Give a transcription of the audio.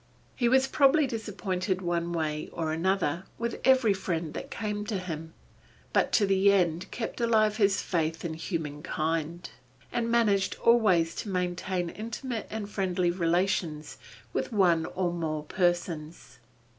He was probably disappointed one way or another, with every friend that came to him, but to the end kept alive his faith in humankind, and managed always to maintain intimate and friendly relations with one or more persons.